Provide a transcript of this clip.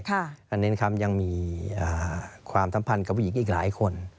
อันนี้ครับยังมีความสัมพันธ์กับผู้หญิงอีกหลายคน